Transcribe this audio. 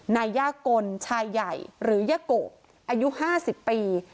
นายยากลชายใหญ่หรือย่าโกะอายุ๕๐ปี